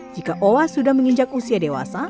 jika owa sudah menginjak usia dewasa